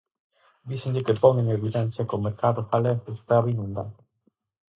Díxenlle que pon en evidencia que o mercado galego estaba inundado.